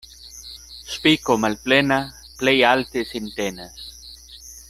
Spiko malplena plej alte sin tenas.